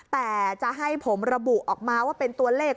แต่จะให้ผมระบุออกมาว่าเป็นตัวเลข